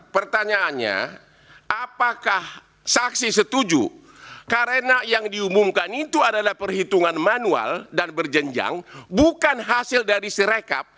pertanyaannya apakah saksi setuju karena yang diumumkan itu adalah perhitungan manual dan berjenjang bukan hasil dari sirekap